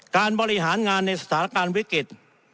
การบริหารงานในสถานการณ์วิกฤต